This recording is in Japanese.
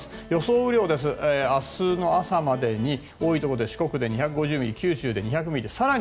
雨量は、明日の朝までに多いところで九州で２００ミリ四国で２５０ミリ。